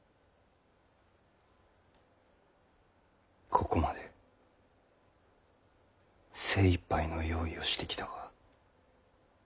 ここまで精いっぱいの用意をしてきたが。